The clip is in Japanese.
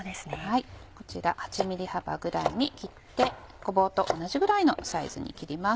こちら８ｍｍ幅ぐらいに切ってごぼうと同じぐらいのサイズに切ります。